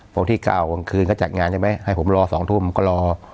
พอที่๙บังคืนก็จัดงานใช่ไงให้ผมรอ๒ทุ่มก็รอ